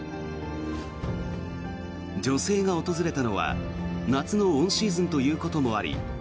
女性が訪れたのは夏のオンシーズンということもあり